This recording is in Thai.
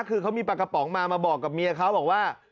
คือเขามีปลากระป๋องมามาบอกกับเมียเขาบอกว่า